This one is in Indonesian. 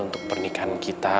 untuk pernikahan kita